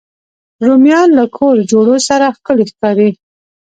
رومیان له کور جوړو سره ښکلي ښکاري